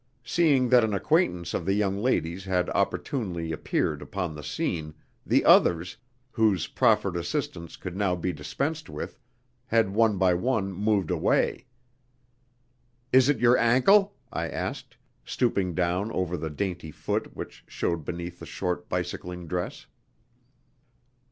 Seeing that an acquaintance of the young lady's had opportunely appeared upon the scene, the others, whose proffered assistance could now be dispensed with, had one by one moved away. "Is it your ankle?" I asked, stooping down over the dainty foot which showed beneath the short bicycling dress.